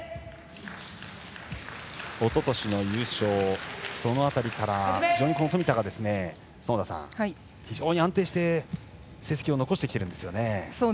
おととしの優勝、その辺りから冨田が非常に安定して成績を残してきているんですよね。